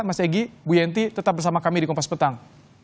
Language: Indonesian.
mas egy bu yenti tetap bersama kami di kompas petang